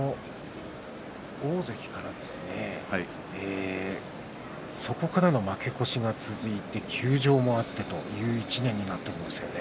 大関からそこからの負け越しが続いて休場もあってという１年になっていますよね。